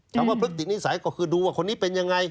พฤตินิสัยก็คือดูว่าคนนี้เป็นยังไง